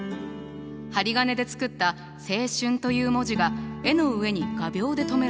針金で作った「青春」という文字が絵の上に画びょうで留められているの。